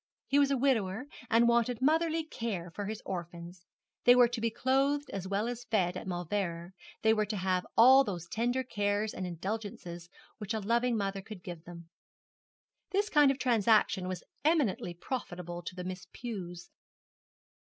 He was a widower, and wanted motherly care for his orphans. They were to be clothed as well as fed at Mauleverer; they were to have all those tender cares and indulgences which a loving mother could give them. This kind of transaction was eminently profitable to the Miss Pews.